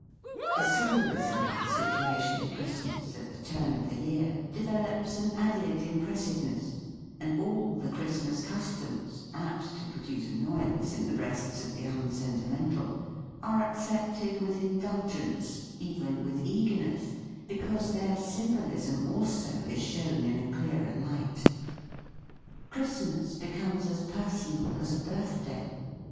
The symbolism of the situation of Christmas, at the turn of the year, develops an added impressive ness, and all the Christmas customs, apt to produce annoyance in the breasts of the unsentimental, are accepted with in dulgence, even with eagerness, because their symbolism also is shown in a clearer light. Christmas becomes as 190] THE FEAST OF ST FRIEND personal as a birthday.